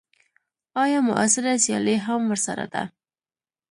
ایا معاصره سیالي هم ورسره ده.